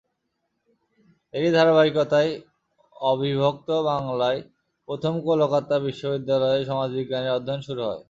এরই ধারাবাহিকতায় অবিভক্ত বাংলায় প্রথম কলকাতা বিশ্ববিদ্যালয়ে সমাজবিজ্ঞানের অধ্যয়ন শুরু হয়।